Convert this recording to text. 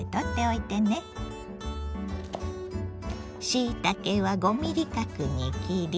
しいたけは５ミリ角に切り。